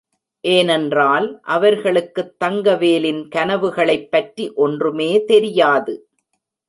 ஏனென்றால், அவர்களுக்குத் தங்கவேலின் கனவுகளைப் பற்றி ஒன்றுமே தெரியாது.